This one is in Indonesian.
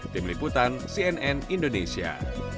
tim liputan cnn indonesia